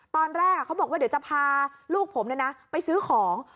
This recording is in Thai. ตอนแรกเขาบอกว่าเดี๋ยวจะพาลูกผมไปซื้อของ